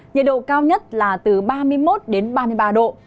nhiệt độ cao nhất là từ ba mươi một đến ba mươi ba độ